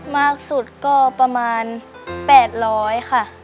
มากสุดก็ประมาณ๘๐๐ค่ะ